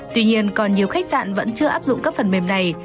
tuy nhiên còn nhiều khách sạn vẫn chưa áp dụng các phần mềm này